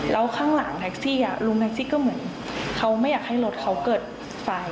แล้วข้างหลังแท็กซี่ลุงแท็กซี่ก็เหมือนเขาไม่อยากให้รถเขาเกิดไฟ